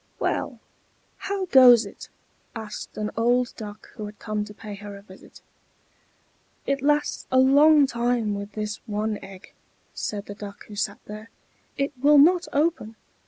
"Well, how goes it?" asked an old Duck who had come to pay her a visit. "It lasts a long time with this one egg," said the Duck who sat there. "It will not open.